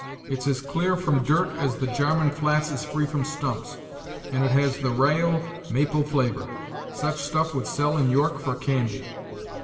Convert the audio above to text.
It's as clear from dirt as the Jarman Flats is free from stumps, and it has the raal maple flavor. Such stuff would sell in York for candy."